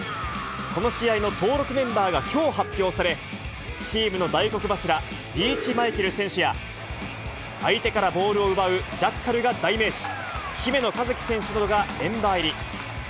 この試合の登録メンバーがきょう発表され、チームの大黒柱、リーチマイケル選手や、相手からボールを奪う、ジャッカルが代名詞、姫野和樹選手などがメンバー入り。